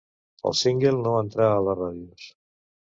El Single no entrà a les ràdios.